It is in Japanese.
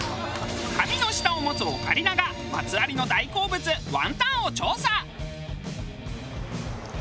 神の舌を持つオカリナがマツ有の大好物ワンタンを調査！